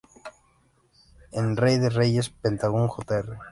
En "Rey de Reyes", Pentagón Jr.